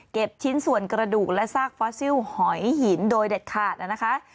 ชิ้นส่วนกระดูกและซากฟอสซิลหอยหินโดยเด็ดขาดนะคะ